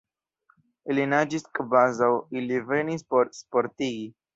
Ili naĝis kvazaŭ ili venis por sportigi.